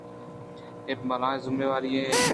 اے بلاہیں ذمہ داری ئے اِنت